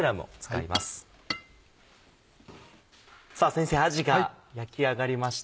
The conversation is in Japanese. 先生あじが焼き上がりました。